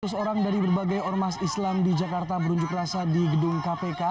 seratus orang dari berbagai ormas islam di jakarta berunjuk rasa di gedung kpk